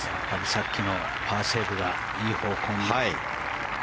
さっきのパーセーブがいい方向に。